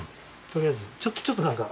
取りあえずちょっと何か。